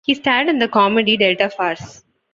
He starred in the comedy "Delta Farce".